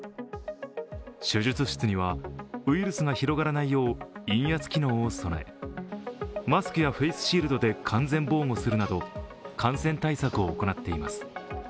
手術室にはウイルスが広がらないよう陰圧機能を備え、マスクやフェイスシールドで完全防護するなど感染対策を行っています。